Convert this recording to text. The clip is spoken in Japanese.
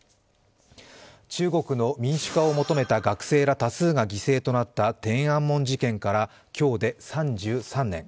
中国の民主化を求めた学生ら多数が犠牲となった天安門事件から、今日で３３年。